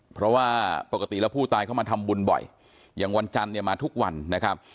เพราะว่าปกติแล้วผู้ตายเข้ามาทำบุญบ่อยอย่างวันจันทร์เนี่ยมาทุกวันนะครับ